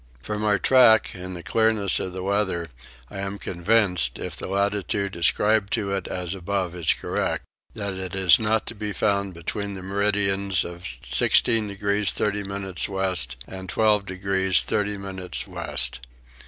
From our track and the clearness of the weather I am convinced, if the latitude ascribed to it as above is correct, that it is not to be found between the meridians of 16 degrees 30 minutes west and 12 degrees 30 minutes west.